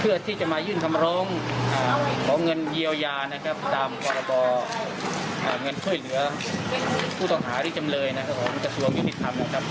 เพื่อที่จะมายื่นคำโรงของเงินเยียวยาตามกรบเงินช่วยเหลือผู้ต้องหาริจำเลยของกระทรวงยุติธรรม